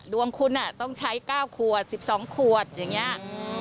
ดวงคุณต้องใช้๙ขวด๑๒ขวดอย่างนี้